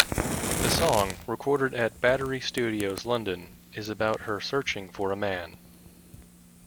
The song, recorded at Battery Studios, London, is about her searching for a man.